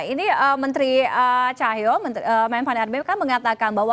ini menteri cahyo menteri memfan rbm kan mengatakan bahwa